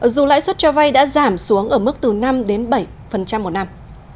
dù lãi suất cho vay đã giảm xuống ở mức từ năm bảy một năm